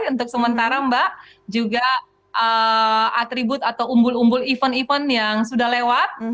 untuk sementara mbak juga atribut atau umbul umbul event event yang sudah lewat